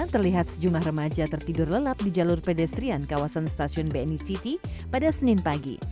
terlihat sejumlah remaja tertidur lelap di jalur pedestrian kawasan stasiun bni city pada senin pagi